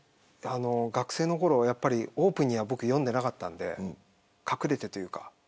学生のころ、オープンには読んでいなかったので隠れてというか。